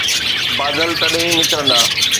بادل تڏهن ئي نڪرندا.